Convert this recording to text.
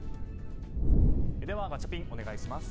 では、ガチャピンお願いします。